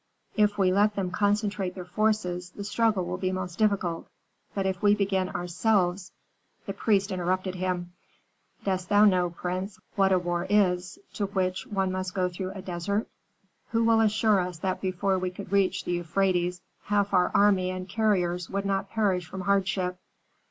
If we let them concentrate their forces, the struggle will be most difficult; but if we begin ourselves " The priest interrupted him, "Dost thou know, prince, what a war is to which one must go through a desert? Who will assure us that before we could reach the Euphrates half our army and carriers would not perish from hardship?"